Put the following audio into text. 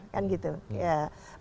lalu negara please hadir